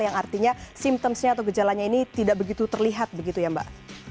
yang artinya simptomsnya atau gejalanya ini tidak begitu terlihat begitu ya mbak